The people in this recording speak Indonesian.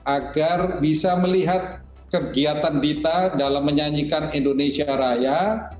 agar bisa melihat kegiatan dita dalam menyanyikan indonesia raya